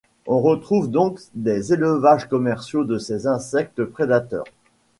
On retrouve donc des élevages commerciaux de ces insectes prédateurs.